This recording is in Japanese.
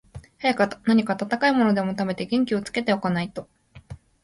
早く何か暖かいものでも食べて、元気をつけて置かないと、